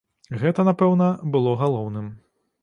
Гэта, напэўна, было галоўным.